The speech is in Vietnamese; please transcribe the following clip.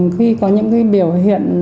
khi có những biểu hiện